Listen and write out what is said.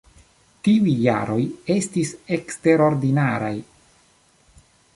Tiuj jaroj estis eksterordinaraj.